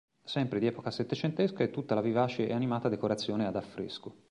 Sempre di epoca settecentesca è tutta la vivace e animata decorazione ad affresco.